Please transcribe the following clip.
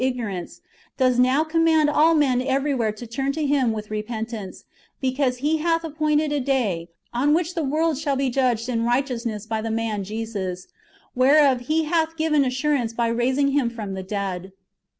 307 ignorance, does now command all men everywhere to turn to Him with repentance ; because He hath appointed a day, on which the world shall be judged in righteousness by the man Jesus ; whereof He hath given assurance by raising Him from the dead."